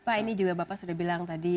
pak ini juga bapak sudah bilang tadi